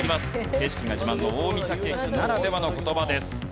景色が自慢の大三東駅ならではの言葉です。